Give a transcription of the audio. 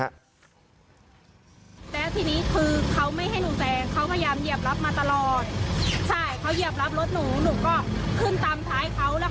แต่ทีนี้คือเขาไม่ให้หนูแสง